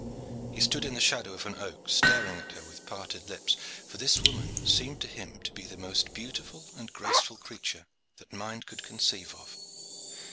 He stood in the shadow of an oak staring at her with parted lips, for this woman seemed to him to be the most beautiful and graceful creature that mind could conceive of.